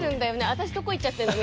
私、どこ行っちゃってるの？